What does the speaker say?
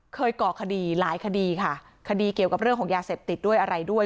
ก่อคดีหลายคดีค่ะคดีเกี่ยวกับเรื่องของยาเสพติดด้วยอะไรด้วย